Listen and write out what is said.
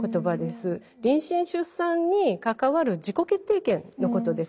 妊娠・出産に関わる自己決定権のことです。